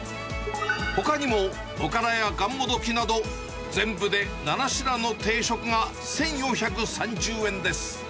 ほかにもおからやがんもどきなど、全部で７品の定食が１４３０円です。